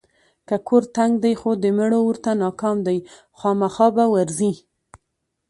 که ګور تنګ دی خو د مړو ورته ناکام دی، خوامخا به ورځي.